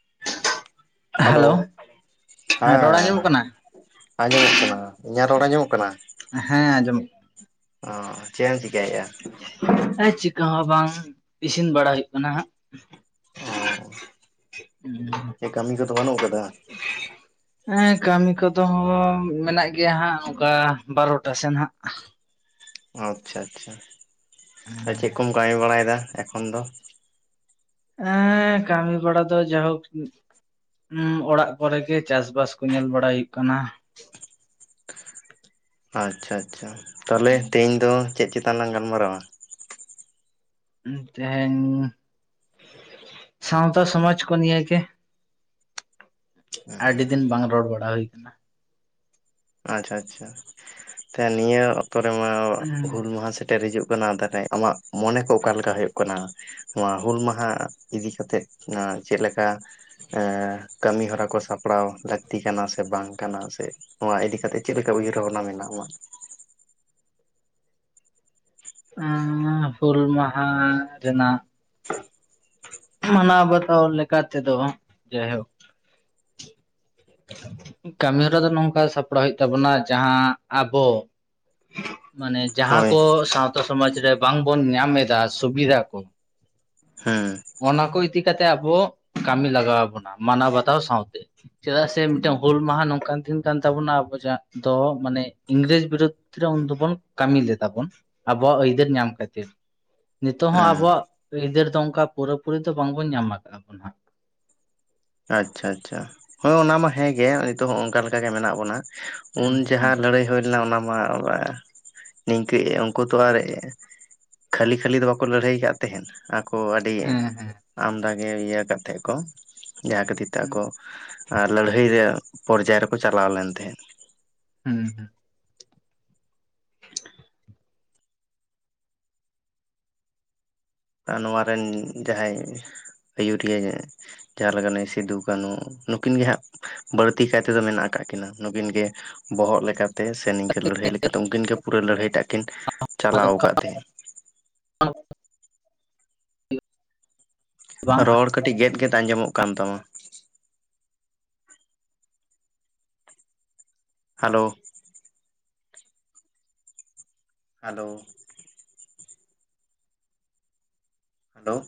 [inaudible] Hello hello ᱦᱮᱸ ᱨᱚᱲ ᱦᱮᱸ ᱟᱸᱡᱚᱢᱚᱜ ᱠᱟᱱᱟ ᱟᱸᱡᱚᱢᱚᱜ ᱠᱟᱱᱟ ᱤᱧᱟᱹᱜ ᱨᱚᱲ ᱟᱸᱡᱚᱢᱚᱜ ᱠᱟᱱᱟ? ᱦᱮᱸ ᱟᱸᱡᱚᱢᱚᱜ ᱚ ᱪᱮᱫ ᱮᱢ ᱪᱤᱠᱟᱭᱮᱫ-ᱟ? ᱦᱸ ᱪᱤᱟᱹ ᱦᱚᱸ ᱵᱟᱝ ᱤᱥᱤᱱ ᱵᱟᱲᱟ ᱦᱩᱭᱩᱜ ᱠᱟᱱᱟ ᱦᱟᱸᱜ᱾ ᱚ ᱠᱟᱹᱢᱤ ᱠᱚᱫᱚ ᱵᱟᱹᱱᱩᱜ ᱠᱟᱫᱟ? ᱦᱮᱸ ᱠᱟᱹᱢᱤ ᱠᱚᱫᱚ ᱢᱮᱱᱟᱜ ᱜᱮᱭᱟ ᱦᱟᱸᱜ ᱚᱱᱠᱟ ᱵᱟᱨᱚᱴᱟ ᱥᱮᱱ ᱦᱟᱸᱜ ᱟᱪᱷᱟ ᱟᱪᱷᱟ ᱪᱮᱫ ᱠᱚᱢ ᱠᱟᱹᱢᱤ ᱵᱟᱲᱟᱭᱮᱫᱟ ᱮᱠᱷᱚᱱ ᱫᱚ? ᱦᱮᱸ ᱠᱟᱹᱢᱤ ᱵᱟᱲᱟᱟ ᱫᱚ ᱡᱟᱭᱦᱳᱠ ᱚᱲᱟᱜ ᱠᱚᱨᱮᱜᱤ ᱪᱟᱥ ᱵᱟᱥ ᱠᱚ ᱧᱮᱞ ᱵᱟᱲᱟᱭ ᱦᱩᱭᱩᱜ ᱠᱟᱱᱟ ᱟᱪᱪᱷᱟ ᱟᱪᱪᱷᱟ ᱛᱟᱦᱚᱞᱮ ᱛᱮᱦᱮᱧ ᱫᱚ ᱪᱮᱫ ᱪᱮᱛᱟᱱ ᱞᱟᱝ ᱜᱟᱞᱢᱟᱨᱟᱣᱟ ᱤᱧ ᱛᱮᱦᱮᱱᱻᱻᱻ ᱥᱟᱶᱛᱟ ᱥᱚᱢᱟᱡᱽᱠᱚ ᱱᱤᱭᱟ ᱜᱮ ᱟᱹᱰᱤ ᱫᱤᱱ ᱵᱟᱝ ᱨᱚᱲ ᱵᱟᱲᱟ ᱦᱩᱭ ᱟᱠᱟᱱᱟ᱾ ᱟᱪᱷᱟ ᱪᱷᱟ ᱱᱤᱭᱟᱹ ᱚᱠᱛᱚ ᱨᱮᱢᱟ ᱦᱩᱞ ᱢᱟᱦᱟ ᱥᱮᱴᱮᱨ ᱦᱤᱡᱩᱜ ᱚᱱᱟ [inaudible] ᱟᱢᱟᱜ ᱢᱚᱱᱮ ᱠᱚ ᱚᱠᱟᱞᱮᱠᱟ ᱦᱩᱭᱩᱜ ᱠᱟᱱᱟ? ᱱᱚᱣᱟ ᱦᱩᱞ ᱢᱟᱦᱟ ᱤᱫᱤ ᱠᱟᱛᱮᱫ ᱦᱟᱸᱜ ᱪᱮᱫᱞᱮᱠᱟ? ᱠᱟᱹᱢᱤᱦᱚᱨᱟ ᱠᱚ ᱥᱟᱯᱲᱟᱣ ᱞᱟᱹᱠᱛᱤ ᱠᱟᱱᱟ ᱥᱮ ᱵᱟᱝ ᱠᱟᱱᱟ ᱥᱮ ᱱᱚᱣᱟ ᱤᱫᱤ ᱠᱟᱛᱮᱫ ᱪᱮᱫ ᱞᱮᱠᱟ ᱩᱭᱦᱟᱹᱨᱵᱷᱟᱵᱱᱟ ᱢᱮᱱᱟᱜ ᱟᱢᱟᱜ? ᱦᱩᱞ ᱢᱟᱦᱟ ᱨᱮᱱᱟᱜ ᱢᱟᱱᱟᱣ ᱵᱟᱛᱟᱣ ᱞᱮᱠᱟ ᱛᱮᱫᱚ ᱡᱟᱭᱦᱳᱠ ᱠᱟᱹᱢᱤᱦᱚᱨᱟ ᱫᱚ ᱱᱚᱝᱠᱟ ᱥᱟᱯᱲᱟᱣ ᱦᱩᱭᱩᱜ ᱛᱟᱵᱚᱱᱟ ᱡᱟᱦᱟᱸ ᱟᱵᱚ ᱢᱟᱱᱮ ᱡᱟᱦᱟᱸ ᱦᱳᱭ ᱠᱚ ᱥᱟᱶᱛᱟ ᱥᱚᱢᱟᱡ ᱨᱮ ᱵᱟᱝᱵᱚᱱ ᱧᱟᱢ ᱮᱫᱟ ᱥᱩᱵᱤᱫᱟ ᱠᱚ ᱦᱮᱸ ᱚᱱᱟ ᱠᱚ ᱤᱫᱤ ᱠᱟᱛᱮᱜ ᱟᱵᱚ ᱠᱟᱹᱢᱤ ᱞᱟᱜᱟᱣᱵᱚᱱᱟ ᱢᱟᱱᱟᱣ ᱵᱟᱛᱟᱣ ᱥᱟᱶᱛᱮ ᱪᱮᱫᱟᱜ ᱥᱮ ᱢᱤᱫᱴᱟᱝ ᱦᱩᱞ ᱢᱟᱦᱟ ᱱᱚᱝᱠᱟᱱ ᱫᱤᱱ ᱠᱟᱱ ᱛᱟᱵᱚᱱᱟ ᱟᱵᱚ ᱡᱟᱦᱟᱸ ᱫᱚ ᱢᱟᱱᱮ ᱤᱝᱨᱮᱡ ᱵᱤᱨᱩᱫᱷ ᱩᱱ ᱫᱚᱵᱚᱱ ᱠᱟᱹᱢᱤ ᱞᱮᱫᱟᱵᱚᱱ ᱟᱵᱚᱣᱟᱜ ᱟᱹᱭᱫᱟᱹᱨ ᱧᱟᱢ ᱠᱷᱟᱹᱛᱤᱨ ᱱᱤᱛᱚᱜ ᱦᱚᱸ ᱦᱩᱸ ᱟᱵᱚᱣᱟᱜ ᱟᱹᱭᱫᱟᱹᱨ ᱫᱚ ᱚᱱᱠᱟ ᱯᱩᱨᱟᱹᱯᱩᱨᱩᱨᱤ ᱫᱚ ᱵᱟᱝᱵᱚᱱ ᱧᱟᱢ ᱠᱟᱜ-ᱟ ᱵᱚᱱ ᱧᱟᱢ ᱟᱠᱟᱫᱟ ᱦᱟᱸᱜ ᱟᱪᱪᱷᱟ ᱟᱪᱪᱷᱟ ᱦᱚᱭ ᱚᱱᱟ ᱢᱟ ᱦᱮᱸᱜᱮ ᱱᱤᱛᱚᱜ ᱦᱚᱸᱜ ᱚᱱᱠᱟᱜ ᱜᱮ ᱢᱮᱱᱟᱜ ᱵᱚᱱᱟ ᱩᱱ ᱡᱟᱦᱟᱸ ᱦᱮᱸ ᱞᱟᱹᱲᱟᱹᱭ ᱦᱩᱭ ᱞᱮᱱᱟ ᱚᱱᱟ ᱢᱟ ᱱᱤᱝᱠᱟᱹ ᱩᱱᱠᱩ ᱛᱚ ᱟᱨ ᱠᱷᱟᱹᱞᱤ ᱠᱷᱟᱹᱞᱤ ᱫᱚ ᱵᱟᱠᱚ ᱞᱟᱹᱲᱦᱟᱹᱭᱟ ᱠᱟᱫ ᱛᱟᱦᱮᱱ ᱟᱠᱚ ᱟᱹᱰᱤ ᱦᱮᱸ ᱟᱢᱫᱟ ᱜᱮ ᱤᱭᱟᱹ ᱠᱟᱛᱮ ᱠᱚ ᱡᱟᱦᱟᱸ ᱠᱷᱟᱹᱛᱤᱨ ᱛᱮ ᱦᱮᱸ ᱟᱠᱚ ᱟᱨ ᱞᱟᱹᱲᱦᱟᱹᱭ ᱨᱮᱭᱟᱜ ᱯᱚᱨᱡᱟ ᱨᱮᱠᱚ ᱪᱟᱞᱟᱣ ᱞᱮᱱ ᱛᱟᱦᱮᱸᱫ ᱦᱩᱸ ᱦᱩᱸ [inaudible] ᱱᱚᱣᱟ ᱨᱮᱱ ᱡᱟᱦᱟᱸᱭ ᱟᱹᱭᱩᱨᱤᱭᱟᱹ ᱡᱟᱦᱟᱸ ᱞᱮᱠᱟ ᱱᱩᱭ ᱥᱤᱫᱩ ᱠᱟᱹᱱᱦᱩ ᱱᱩᱠᱤᱱ ᱜᱮ ᱦᱟᱸᱜ ᱵᱟᱹᱲᱛᱤ ᱠᱟᱭ ᱛᱮᱫᱚ ᱢᱮᱱᱟᱜ ᱟᱠᱟᱫ ᱠᱤᱱᱟᱹ ᱱᱩᱠᱤᱱ ᱜᱮ ᱵᱚᱦᱚᱜ ᱞᱮᱠᱟᱛᱮ ᱥᱮ ᱱᱤᱝᱠᱟᱹ ᱞᱟᱹᱲᱦᱟᱹᱭ ᱞᱮᱠᱟᱛᱮ ᱩᱱᱠᱤᱱ ᱜᱮ ᱯᱩᱨᱟᱹ ᱞᱟᱹᱲᱦᱟᱹᱭ ᱴᱟᱜ ᱠᱤᱱ ᱪᱟᱞᱟᱣ ᱟᱠᱟᱫ ᱛᱟᱦᱮᱸᱱᱟ ᱵᱟᱝ ᱨᱚᱲ ᱠᱟᱹᱴᱤᱡ ᱜᱮᱫᱜᱮᱫ ᱟᱸᱡᱚᱢᱚᱜ ᱠᱟᱱ ᱛᱟᱢᱟ ᱦᱮᱞᱳ ᱦᱮᱞᱳ ᱦᱮᱞᱳ